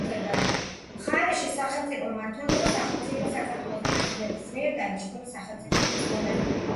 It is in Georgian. მხარეში სახელმწიფო მმართველობას ახორციელებს საქართველოს პრეზიდენტის მიერ დანიშნული სახელმწიფო რწმუნებული.